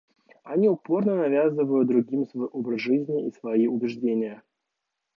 Они упорно навязывают другим свой образ жизни и свои убеждения.